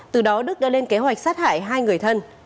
từ đó đức đã lên kế hoạch sát hại hai người thân